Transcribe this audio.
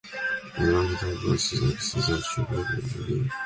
Ironically, both successes achieved against Geelong.